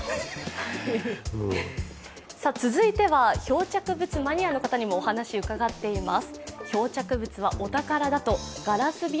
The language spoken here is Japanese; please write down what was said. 続いては漂着物マニアの方にもお話、伺っています。